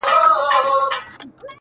پر آس سپور د پیر بغل ته برابر سو -